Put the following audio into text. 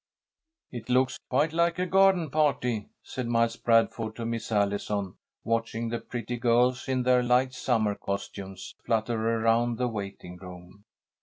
"It looks quite like a garden party," said Miles Bradford to Miss Allison, watching the pretty girls, in their light summer costumes, flutter around the waiting room.